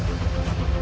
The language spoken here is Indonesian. kau baru tahu